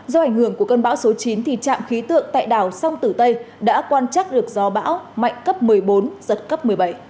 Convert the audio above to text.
do ảnh hưởng của cơn bão số chín trạm khí tượng tại đảo song tử tây đã quan trắc được gió bão mạnh cấp một mươi bốn giật cấp một mươi bảy